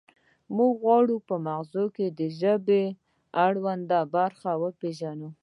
موږ غواړو په مغزو کې د ژبې اړوند برخې وپیژنو